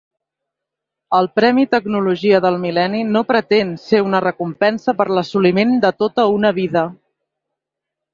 El Premi Tecnologia del Mil·lenni no pretén ser una recompensa per l'assoliment de tota una vida.